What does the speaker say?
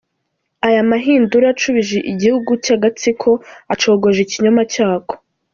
Aya mahindura acubije igitugu cy’ agatsiko, acogoje ikinyoma cyako.